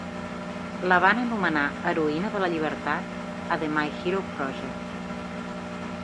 La van anomenar heroïna de la llibertat a The My Hero Project.